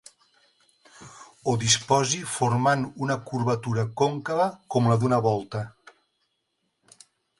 Ho disposi formant una curvatura còncava com la d'una volta.